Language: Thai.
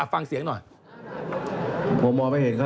จากธนาคารกรุงเทพฯ